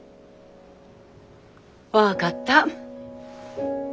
分かった。